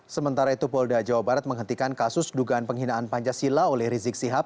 sementara itu polda jawa barat menghentikan kasus dugaan penghinaan pancasila oleh rizik sihab